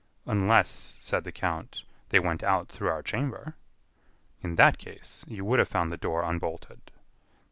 "Unless," said the count, "they went out through our chamber." "In that case, you would have found the door unbolted."